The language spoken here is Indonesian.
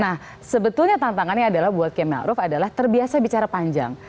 nah sebetulnya tantangannya adalah buat km adalah terbiasa bicara panjang